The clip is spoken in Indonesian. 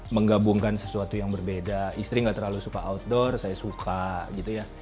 menggabungkan sesuatu yang berbeda istri gak terlalu suka outdoor saya suka gitu ya